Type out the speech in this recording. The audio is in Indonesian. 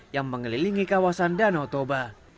yang mengelilingi kawasan danau toba